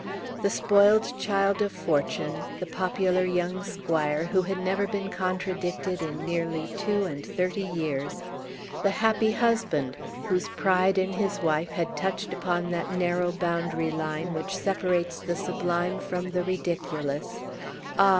The spoiled child of fortune the popular young squire, who had never been contradicted in nearly two and thirty years the happy husband, whose pride in his wife had touched upon that narrow boundary line which separates the sublime from the ridiculous ah!